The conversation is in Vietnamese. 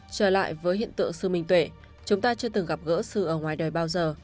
trở lại với hiện tượng sư minh tuệ chúng ta chưa từng gặp gỡ sư ở ngoài đời bao giờ